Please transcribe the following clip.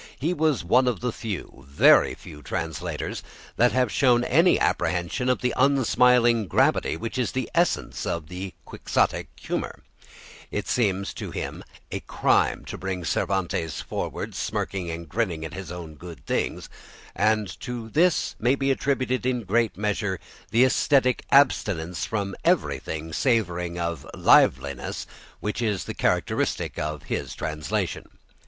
He was one of the few, very few, translators that have shown any apprehension of the unsmiling gravity which is the essence of Quixotic humour; it seemed to him a crime to bring Cervantes forward smirking and grinning at his own good things, and to this may be attributed in a great measure the ascetic abstinence from everything savouring of liveliness which is the characteristic of his translation.